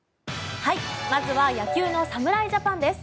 まずは野球の侍ジャパンです。